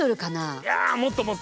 いやもっともっと。